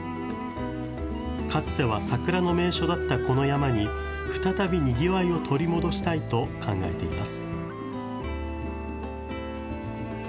かつては桜の名所だったこの山に、再びにぎわいを取り戻したいと考えています。